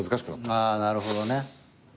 あなるほどね。